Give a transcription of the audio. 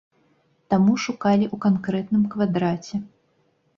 Таму шукалі ў канкрэтным квадраце.